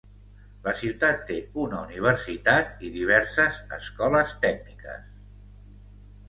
La ciutat té una universitat i diverses escoles tècniques.